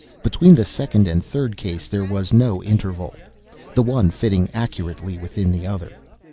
Between the second and the third case there was no interval—the one fitting accurately within the other.